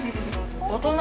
大人。